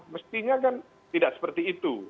mestinya kan tidak seperti itu